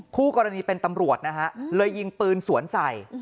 คู่กรณีเป็นตำรวจนะฮะเลยยิงปืนสวนใส่